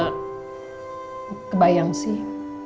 ya tante kebayang sih